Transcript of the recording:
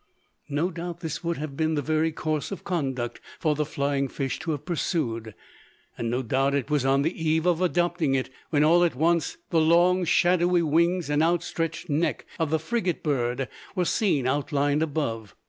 No doubt this would have been the very course of conduct for the flying fish to have pursued; and no doubt it was on the eve of adopting it, when, all at once, the long, shadowy wings and outstretched neck of the frigate bird were seen outlined above.